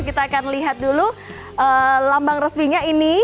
kita akan lihat dulu lambang resminya ini